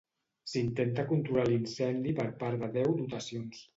S'intenta controlar l'incendi per part de deu dotacions.